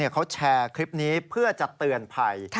เขาแชร์คลิปนี้เพื่อจะเตือนภัย